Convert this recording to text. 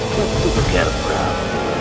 ketua ger prabu